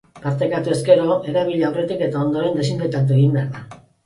Partekatuz gero, erabili aurretik eta ondoren desinfektatu egin behar da.